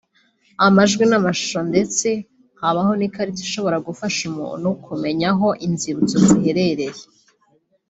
amajwi n’amashusho ndetse habaho n’ikarita ishobora gufasha umuntu kumenya aho inzibutso ziherereye